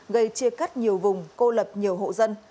gây chia cắt nhiều vùng cô lập nhiều hộ dân